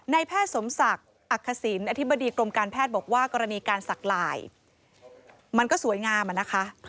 แพทย์สมศักดิ์อักษิณอธิบดีกรมการแพทย์บอกว่ากรณีการสักลายมันก็สวยงามอะนะคะ